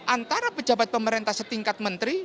antara pejabat pemerintah setingkat menteri